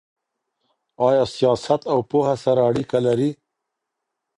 ايا سياست او پوهه سره اړيکه لري؟